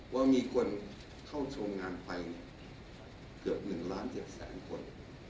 ว่ามีคนเข้าชมงานไปเกือบ๑ล้าน๗แสนคน